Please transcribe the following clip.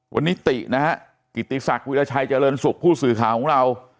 วันนี้ตินะฮะกิติศักดิ์วิราชัยเจริญสุขผู้สื่อข่าวของเรา